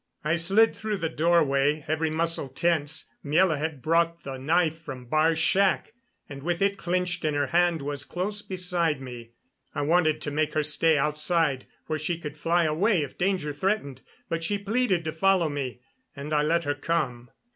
I slid through the doorway, every muscle tense. Miela had brought the knife from Baar's shack, and with it clenched in her hand was close beside me. I wanted to make her stay outside, where she could fly away if danger threatened, but she pleaded to follow me, and I let her come.